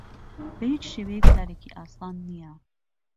بە هیچ شێوەیەک کارێکی ئاسان نییە.